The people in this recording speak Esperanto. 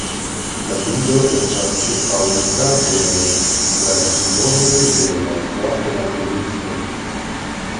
La bildo estas ĉirkaŭita de la simboloj de la kvar evangeliistoj.